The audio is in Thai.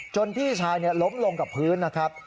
พี่ชายล้มลงกับพื้นนะครับ